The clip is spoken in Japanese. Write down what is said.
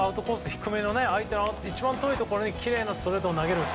低めの相手の一番遠いところにきれいなストレートを投げる。